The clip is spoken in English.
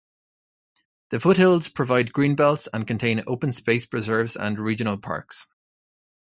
The foothills provide greenbelts and contain Open Space Preserves and Regional parks.